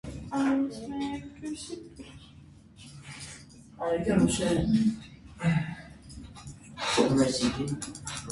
Գրիգորյանը սկսեց մտածել դաշտում։